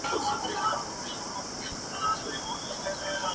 Esta estrategia fue criticada por Maurice Levy como "imprudente".